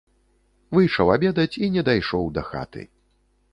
Выйшаў абедаць і не дайшоў да хаты.